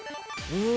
うん。